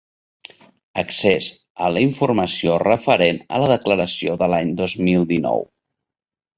Accés a la informació referent a la Declaració de l'any dos mil dinou.